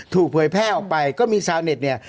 เผยแพร่ออกไปก็มีชาวเน็ตเนี่ย